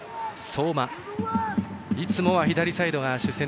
相馬、いつもは左サイドが主戦。